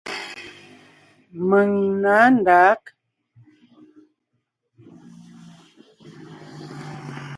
Mèŋ nǎ ndǎg.